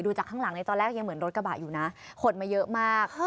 จากข้างหลังในตอนแรกยังเหมือนรถกระบะอยู่นะขนมาเยอะมาก